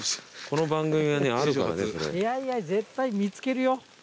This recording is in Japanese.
この番組はねあるからねそれ。いやいや絶対見つけるよ。